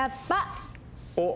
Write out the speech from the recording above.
おっ！